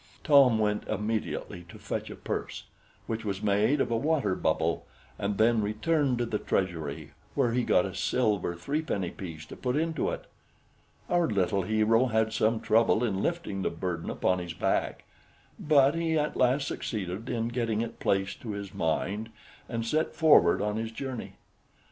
Tom went immediately to fetch a purse, which was made of a water bubble, and then returned to the treasury, where he got a silver three penny piece to put into it. Our little hero had some trouble in lifting the burden upon his back; but he at last succeeded in getting it placed to his mind, and set forward on his journey.